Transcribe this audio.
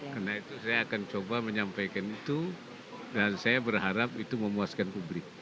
karena itu saya akan coba menyampaikan itu dan saya berharap itu memuaskan publik